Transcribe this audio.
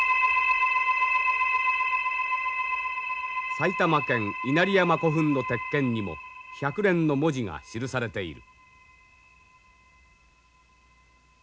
埼玉県稲荷山古墳の鉄剣にも百練の文字が記されている。